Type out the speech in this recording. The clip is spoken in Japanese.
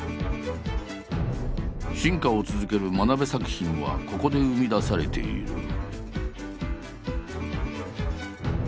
進化を続ける真鍋作品はここで生み出されている。